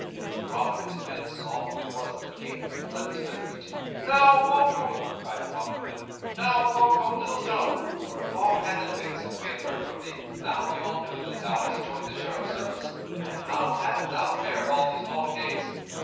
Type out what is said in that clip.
When Robin and his men saw who it was that came, they leaped to their feet. "Now welcome!" cried Robin Hood. "Now welcome, Little John! For long hath it been since we have heard from thee, though we all knew that thou hadst joined the Sheriff's service. And how hast thou fared all these long days?"